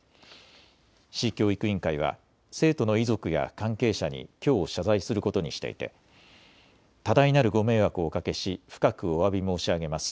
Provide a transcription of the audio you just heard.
市教育委員会は生徒の遺族や関係者にきょう謝罪することにしていて多大なるご迷惑をおかけし深くおわび申し上げます。